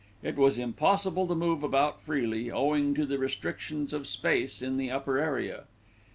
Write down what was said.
It was impossible to move about freely, owing to the restrictions of space in the upper area.